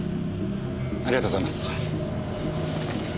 ありがとうございます。